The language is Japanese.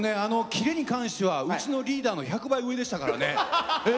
キレに関してはうちのリーダーの１００倍上でしたからね。